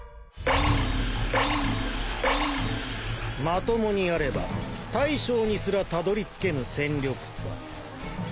まともにやれば大将にすらたどりつけぬ戦力差。